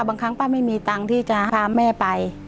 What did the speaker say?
บางครั้งป้าไม่มีตังค์ที่จะพาแม่ไป